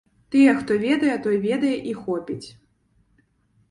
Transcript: Тыя, хто ведае, той ведае, і хопіць.